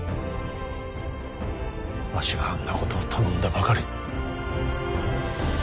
わしがあんなことを頼んだばかりに。